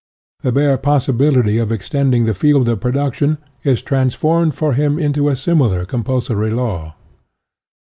The bare possibil ity of extending the field of production is transformed for him into a similar compulsory law.